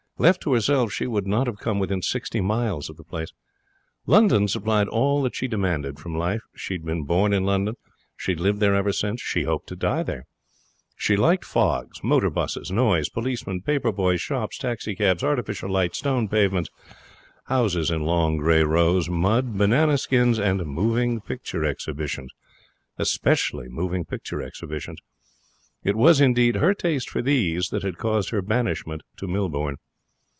Left to herself, she would not have come within sixty miles of the place. London supplied all that she demanded from life. She had been born in London; she had lived there ever since she hoped to die there. She liked fogs, motor buses, noise, policemen, paper boys, shops, taxi cabs, artificial light, stone pavements, houses in long, grey rows, mud, banana skins, and moving picture exhibitions. Especially moving picture exhibitions. It was, indeed, her taste for these that had caused her banishment to Millbourne.